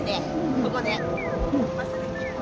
ここまっすぐ。